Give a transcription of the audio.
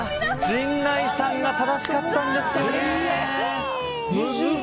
陣内さんが正しかったんですよね。